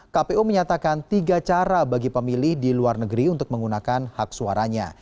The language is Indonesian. kpu menyatakan tiga cara bagi pemilih di luar negeri untuk menggunakan hak suaranya